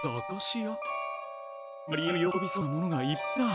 あっ真理恵の喜びそうなものがいっぱいだ。